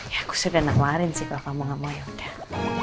ya aku sudah nanglarin sih kalau kamu gak mau ya udah